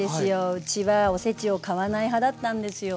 うちはおせちを買わない派だったんですよ。